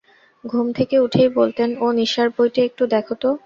ঘুম থেকে উঠেই বলতেন, ও নিসার, বইটা একটু দেখ তো।